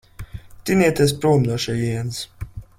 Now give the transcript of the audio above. Tinieties prom no šejienes.